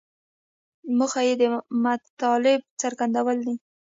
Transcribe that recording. موخه یې د مطلب څرګندول دي.